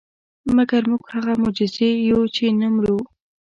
مګر موږ هغه معجزې یو چې نه مرو.